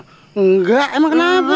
enggak emang kenapa